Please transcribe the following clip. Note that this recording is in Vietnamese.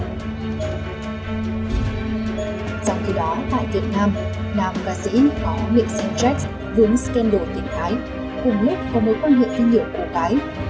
trong khi đó tại việt nam nàm ca sĩ có nghệ sĩ jack vướng scandal tình thái cùng lúc có mối quan hệ kinh nghiệm của gái